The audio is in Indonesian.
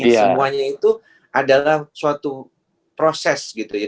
semuanya itu adalah suatu proses gitu ya